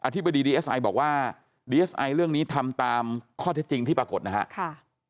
ธิบดีดีเอสไอบอกว่าดีเอสไอเรื่องนี้ทำตามข้อเท็จจริงที่ปรากฏนะครับ